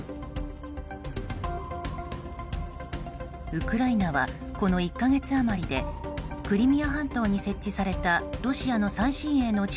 ウクライナはこの１か月余りでクリミア半島に設置されたロシアの最新鋭の地